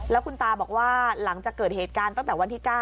แล้วคุณตาบอกว่าหลังจากเกิดเหตุการณ์ตั้งแต่วันที่๙